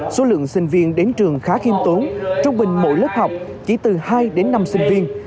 số lượng sinh viên đến trường khá khiêm tốn trung bình mỗi lớp học chỉ từ hai đến năm sinh viên